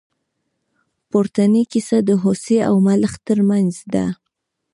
پورتنۍ کیسه د هوسۍ او ملخ تر منځ ده.